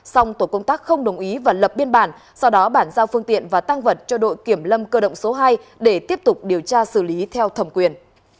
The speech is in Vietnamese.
xong tổ công tác không đồng ý và lập biên bản sau đó bản giao phương tiện và tăng vật cho đội kiểm lâm cơ động số hai để tiếp tục điều tra xử lý theo thẩm quyền